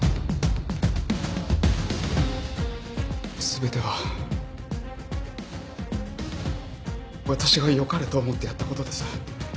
全ては私がよかれと思ってやったことです。